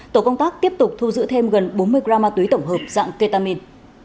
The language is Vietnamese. tổ công tác tiếp tục thu giữ thêm gần bốn mươi gram ma túy tổng hợp dạng ketamin